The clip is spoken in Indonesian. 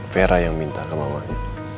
vera yang minta ke mamanya